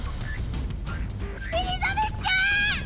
エリザベスちゃん！